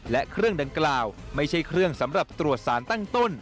และเครื่องดังกล่าวไม่ใช่เครื่องสำหรับตรวจสารตั้งต้น